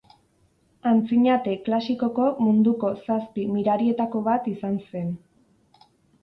Antzinate klasikoko munduko zazpi mirarietako bat izan zen.